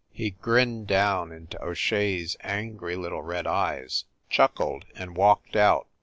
He grinned down into O Shea s angry little red eyes, chuckled, and walked out.